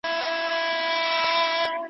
قرعه کشي د څه شي د تعين لپاره ده؟